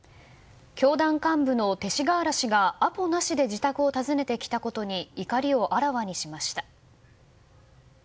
教団幹部の勅使河原氏がアポなしで自宅を訪ねてきたことに怒りをあらわにしました。